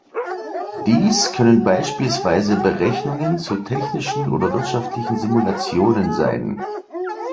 Dies können beispielsweise Berechnungen zu technischen oder wirtschaftlichen Simulationen sein.